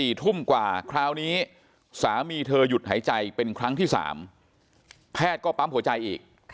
กว่าคราวนี้สามีเธอหยุดหายใจเป็นครั้งที่๓แพทย์ก็ปั๊มหัวใจอีก